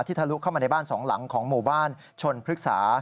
ทะลุเข้ามาในบ้านสองหลังของหมู่บ้านชนพฤกษา